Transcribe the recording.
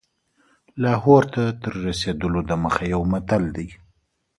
لاهور ته تر رسېدلو دمخه یو متل دی.